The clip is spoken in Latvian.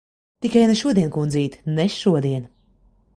Tikai ne šodien, kundzīt. Ne šodien!